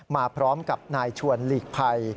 มาพร้อมกับนายชวนหลีกภัย